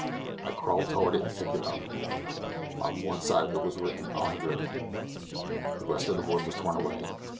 I crawled toward it and picked it up. On one side of it was written Andr ; the rest of the word was torn away.